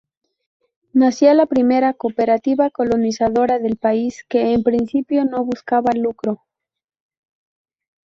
Nacía la primera cooperativa colonizadora del país, que en principio no buscaba lucro.